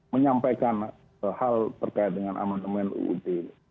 menyampaikan hal terkait dengan amandemen uud